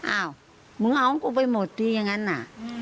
อ้าวมึงเอากูไปหมดดีอย่างนั้นน่ะ